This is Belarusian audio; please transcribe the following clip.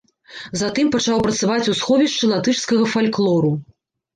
Затым пачаў працаваць у сховішчы латышскага фальклору.